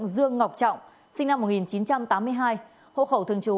mày dám chặt đi